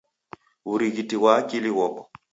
W'urighiti ghwa akili ghoko.